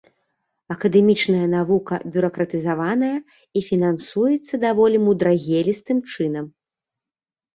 Акадэмічная навука бюракратызаваная і фінансуецца даволі мудрагелістым чынам.